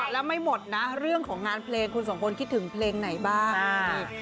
แล้วไม่หมดนะเรื่องของงานเพลงคุณสองคนคิดถึงเพลงไหนบ้าง